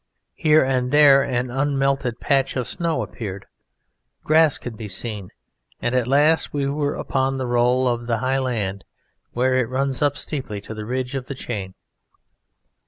Here and there an unmelted patch of snow appeared, grass could be seen, and at last we were upon the roll of the high land where it runs up steeply to the ridge of the chain.